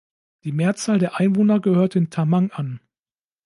Die Mehrzahl der Einwohner gehört den Tamang an.